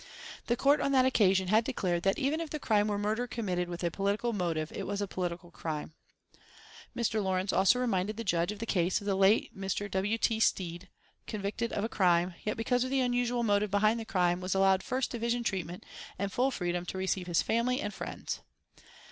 The Court on that occasion had declared that even if the crime were murder committed with a political motive it was a political crime. Mr. Lawrence also reminded the judge of the case of the late Mr. W. T. Stead, convicted of a crime, yet because of the unusual motive behind the crime, was allowed first division treatment and full freedom to receive his family and friends.